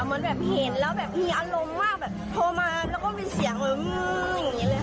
เหมือนแบบเห็นแล้วแบบมีอารมณ์มากแบบโทรมาแล้วก็มีเสียงอย่างนี้เลยค่ะ